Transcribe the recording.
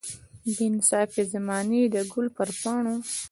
بې انصافه زمانې د ګل پر پاڼو.